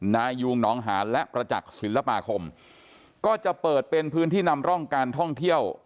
นายุงหนองหานและประจักษ์ศิลปาคมก็จะเปิดเป็นพื้นที่นำร่องการท่องเที่ยว